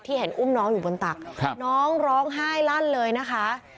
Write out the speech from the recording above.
เห็นอุ้มน้องอยู่บนตักน้องร้องไห้ลั่นเลยนะคะ